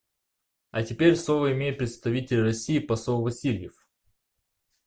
А теперь слово имеет представитель России посол Васильев.